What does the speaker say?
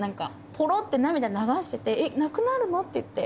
ポロって涙を流してて「えっなくなるの？」って言って。